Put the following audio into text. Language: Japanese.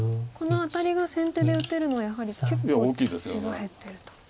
このアタリが先手で打てるのはやはり結構地が減ってると。